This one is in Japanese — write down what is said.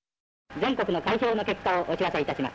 全国の開票の結果をお知らせいたします。